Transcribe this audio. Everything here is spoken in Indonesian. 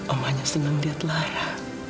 om hanya senang lihat lara